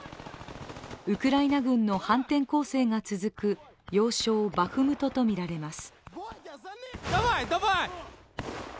ウクライナ軍の反転攻勢が続く要衝バフムトとみられます。